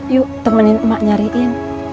yuk temenin mak nyariin